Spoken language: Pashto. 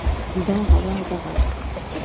دا هوا، دغه